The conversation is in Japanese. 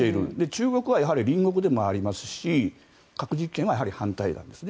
中国は隣国でもありますし核実験はやはり反対なんです。